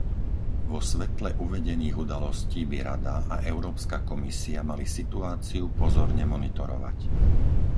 Vo svetle uvedených udalostí by Rada a Európska komisia mali situáciu pozorne monitorovať.